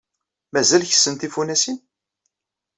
Mazal kessen tifunasin?